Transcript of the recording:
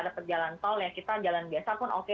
dapat jalan tol ya kita jalan biasa pun oke